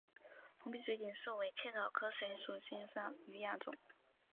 红皮水锦树为茜草科水锦树属下的一个亚种。